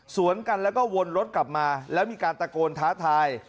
สวนกันแล้วก็วนรถกลับมาแล้วมีการตะโกนท้าทาย